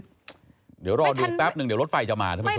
เดี๋ยวรอดูแป๊บนึงเดี๋ยวรถไฟจะมาท่านผู้ชม